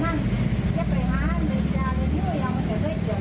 วาพาให้ผู้ใหญ่บ้าน